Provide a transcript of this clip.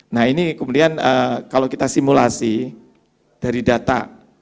nah ini kemudian kalau kita simulasi dari data